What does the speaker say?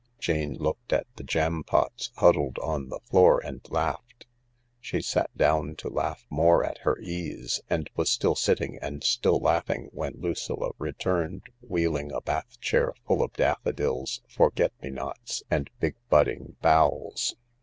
Jane looked at the jampots huddled on the floor and laughed. She sat down to laugh more at her ease, and was still sitting and still laughing when Lucilla returned wheeling a bath chair full of daffodils, forget me nots, and big budding boughs.